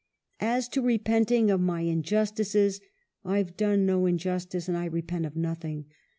As to repenting of my injus tices, I've done no injustice and I repent of noth ing.